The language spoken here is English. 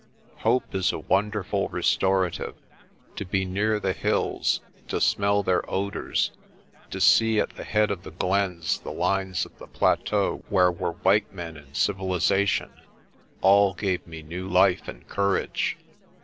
Hope is a wonderful restorative. To be near the hills, to smell their odours, to see at the head of the glens the lines of the plateau where were white men and civilization all gave me new life and courage.